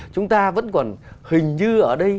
chúng ta vẫn còn hình như ở đây